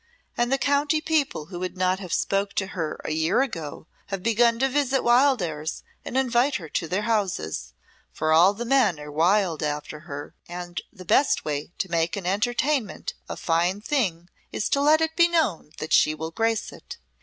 And the county people who would not have spoke to her a year ago, have begun to visit Wildairs and invite her to their houses, for all the men are wild after her, and the best way to make an entertainment a fine thing is to let it be known that she will grace it.